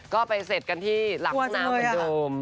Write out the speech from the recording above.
ก็ไปเสร็จกันที่หลังข้างหน้าของเดิม